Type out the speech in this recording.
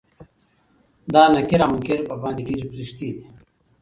دا نکير او منکر په باندې ډيرې پريښتې دي